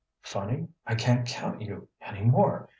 "Funny, I can't count you any more!"